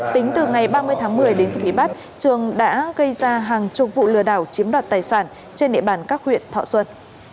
tính từ ngày ba mươi tháng một mươi đến khi bị bắt trường đã gây ra hàng chục vụ lừa đảo chiếm đoạt tài sản trên địa bàn các huyện thọ xuân